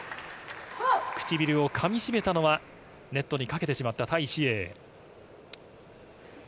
唇をかみしめたのはネットにかけてしまったタイ・シエイ。